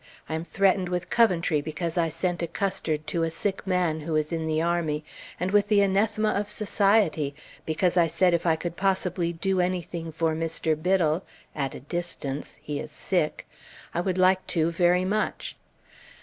I am threatened with Coventry because I sent a custard to a sick man who is in the army, and with the anathema of society because I said if I could possibly do anything for Mr. Biddle at a distance (he is sick) I would like to very much.